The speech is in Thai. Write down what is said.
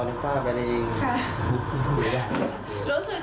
คุณพยาบาลเหรอคะ